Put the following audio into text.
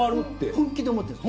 本気で思ってるんです。